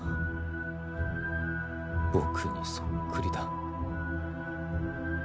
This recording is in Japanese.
僕にそっくりだ。